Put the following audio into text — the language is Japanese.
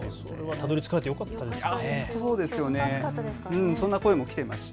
たどりつかれてよかったですね。